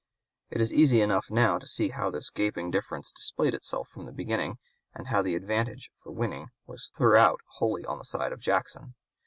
It is easy enough now to see how this gaping difference displayed itself from the beginning, and how the advantage for winning was throughout wholly on the side of Jackson.